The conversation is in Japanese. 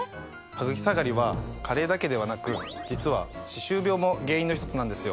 ハグキ下がりは加齢だけではなく実は歯周病も原因の一つなんですよ。